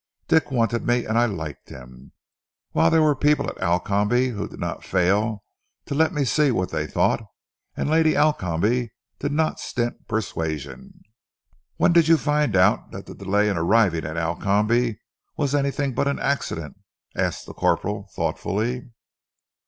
Dick wanted me, and I liked him, whilst there were people at Alcombe who did not fail to let me see what they thought, and Lady Alcombe did not stint persuasion." "When did you find out that the delay in arriving at Alcombe was anything but an accident?" asked the corporal thoughtfully.